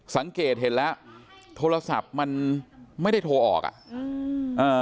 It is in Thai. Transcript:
สังเกตเห็นแล้วโทรศัพท์มันไม่ได้โทรออกอ่ะอืมอ่า